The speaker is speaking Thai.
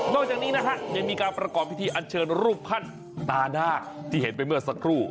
จากนี้นะฮะยังมีการประกอบพิธีอันเชิญรูปขั้นตาหน้าที่เห็นไปเมื่อสักครู่